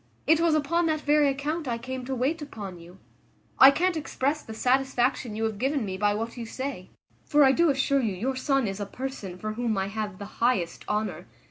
It was upon that very account I came to wait upon you. I can't express the satisfaction you have given me by what you say; for I do assure you your son is a person for whom I have the highest honour.